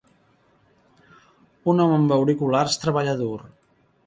Un home amb auriculars treballa dur.